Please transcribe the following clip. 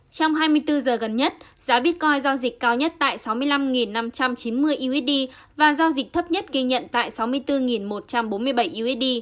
trong hai mươi bốn giờ gần nhất giá bitcoin giao dịch cao nhất tại sáu mươi năm năm trăm chín mươi usd và giao dịch thấp nhất ghi nhận tại sáu mươi bốn một trăm bốn mươi bảy usd